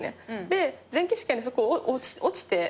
で前期試験でそこ落ちて。